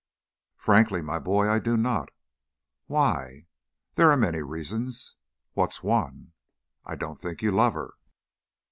"Frankly, my boy, I do not." "Why?" "There are many reasons." "What's one?" "I don't think you love her."